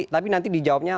tapi nanti dijawabnya